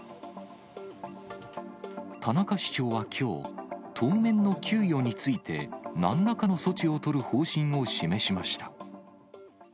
田中市長はきょう、当面の給与について、なんらかの措置を取る方針を示しました。